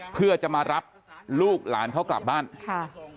เพื่อจะมารับลูกหลานเขากลับบ้านค่ะ